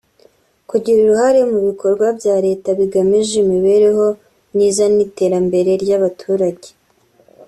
kugira uruhare mu bikorwa bya Leta bigamije imibereho myiza n’iterambere ry’abaturage